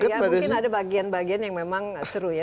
ya mungkin ada bagian bagian yang memang seru ya